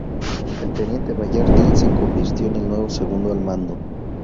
El teniente Bayard Dill se convirtió en el nuevo segundo al mando.